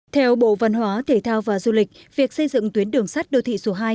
theo bộ văn hóa thể thao và du lịch việc xây dựng tuyến đường sắt đô thị số hai